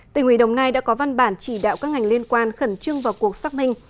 tỉnh ủy đồng nai đã có văn bản chỉ đạo các ngành liên quan khẩn trương vào cuộc xác minh